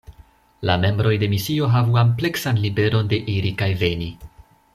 La membroj de misio havu ampleksan liberon de iri kaj veni.